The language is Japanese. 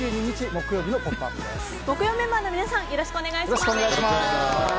木曜メンバーの皆さんよろしくお願いします。